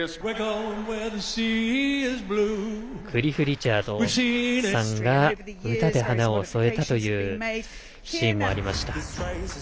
クリス・リチャードさんが歌で花を添えたというシーンもありました。